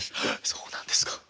そうなんですか。